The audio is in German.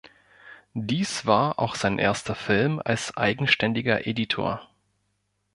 Dies war auch sein erster Film als eigenständiger Editor.